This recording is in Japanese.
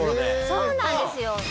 そうなんですよ。